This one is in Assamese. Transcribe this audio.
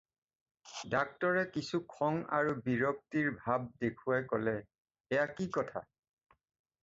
ডাক্তৰে কিছু খং আৰু বিৰক্তিৰ ভাব দেখুৱাই ক'লে- "এয়া কি কথা।"